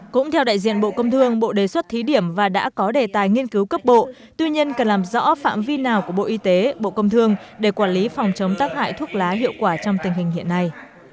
cũng theo đại diện bộ công thương bộ đề xuất thí điểm và đã có đề tài nghiên cứu cấp bộ tuy nhiên cần làm rõ phạm vi nào của bộ y tế bộ công thương để quản lý phòng chống tác hại thuốc lá hiệu quả trong tình hình hiện nay